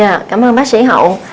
dạ cảm ơn bác sĩ hậu